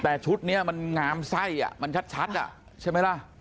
แต่ชุดนี้มันงามไส้มันชัดอ่ะใช่ไหมล่ะ